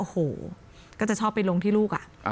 ก็จะชอบไปลงที่ลูกอะ